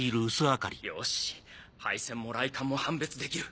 よし配線も雷管も判別できる。